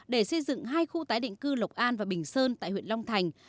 để xây dựng hai khu tái định cư lộc an và bình sơn tại huyện long thành